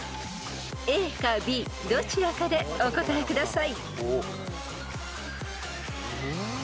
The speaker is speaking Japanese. ［ＡかＢどちらかでお答えください］